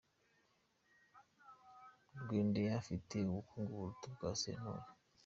Rwendeye afite ubukungu buruta ubwa Sentore.